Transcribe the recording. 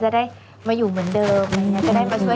จะได้มาอยู่เหมือนเดิมจะได้มาช่วยกันเลี้ยงเลย